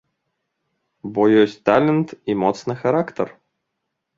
Бо ёсць талент і моцны характар.